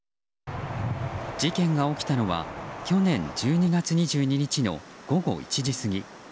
事件が起きたのは去年１２月２２日の午後１時過ぎ。